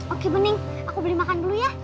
oke mending aku beli makan dulu ya